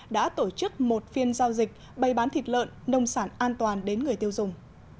đã tổ chức một phiên giao dịch bày bán thịt lợn nông sản an toàn đến người tiêu dùng